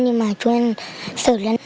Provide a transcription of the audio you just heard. nhưng mà chú tuấn sợ lắm